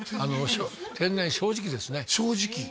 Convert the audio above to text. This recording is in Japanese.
天然正直ですね正直？